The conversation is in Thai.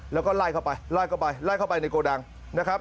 แล้วก็ไล่เข้าไปไล่เข้าไปไล่เข้าไปในโกดังนะครับ